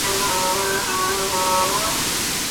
د کانکور لپاره د چمتووالي پوښتنې څنګه جوړیږي؟